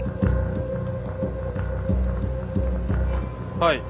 はい。